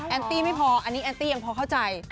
อันตรีไม่พออันนี้อันตรียังพอเข้าใจ